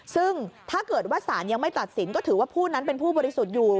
ซึ่งถ้าเกิดว่าสารยังไม่ตัดสินก็ถือว่าผู้นั้นเป็นผู้บริสุทธิ์อยู่